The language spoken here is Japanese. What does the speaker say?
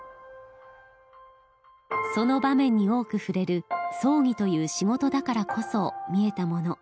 その場面に多く触れる葬儀という仕事だからこそ見えたもの。